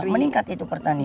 meningkat itu pertanian